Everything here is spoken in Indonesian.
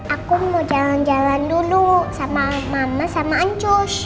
aku mau jalan jalan dulu sama mama sama ancus